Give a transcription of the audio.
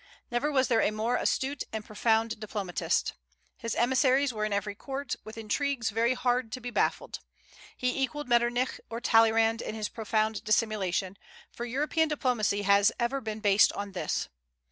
Never was there a more astute and profound diplomatist. His emissaries were in every court, with intrigues very hard to be baffled. He equalled Metternich or Talleyrand in his profound dissimulation, for European diplomacy has ever been based on this.